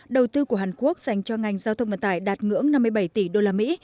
đầu tư của hàn quốc dành cho ngành giao thông vận tải đạt ngưỡng năm mươi bảy tỷ đô la mỹ